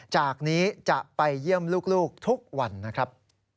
จากนี้จะไปเยี่ยมลูกทุกวันนะครับ